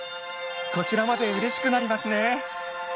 こちらまでうれしくなりますね。